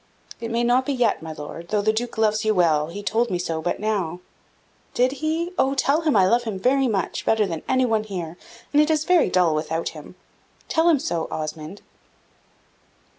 "It may not be yet, my Lord, though the Duke loves you well he told me so but now." "Did he? Oh, tell him I love him very much better than any one here and it is very dull without him. Tell him so, Osmond."